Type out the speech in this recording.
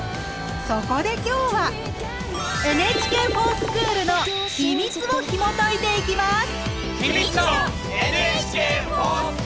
そこで今日は「ＮＨＫｆｏｒＳｃｈｏｏｌ」のヒミツをひもといていきます！